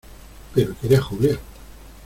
pero quiere a Julia.